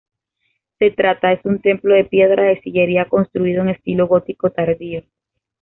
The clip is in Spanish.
Se trata es un templo de piedra de sillería construido en estilo gótico tardío.